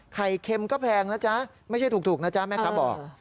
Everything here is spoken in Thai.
เค็มก็แพงนะจ๊ะไม่ใช่ถูกนะจ๊ะแม่ค้าบอก